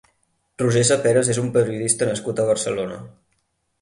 Roger Saperas és un periodista nascut a Barcelona.